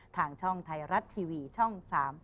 ทางช่องไทยรัฐทีวีช่อง๓๒